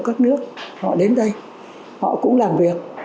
các nước họ đến đây họ cũng làm việc